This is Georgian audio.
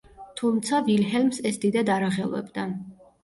თუმცა ვილჰელმს ეს დიდად არ აღელვებდა.